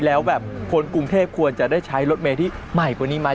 แล้วแบบคนกรุงเทพควรจะได้ใช้รถเมย์ที่ใหม่กว่านี้ไหม